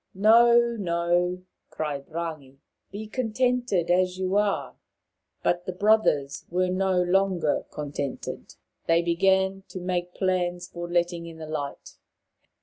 " No, no," cried Rangi ;" be contented as you are." But the brothers were no longer contented. They began to make plans for letting in the light.